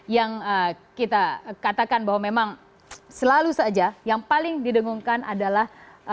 yang kita katakan bahwa memang selalu saja yang paling didengungkan adalah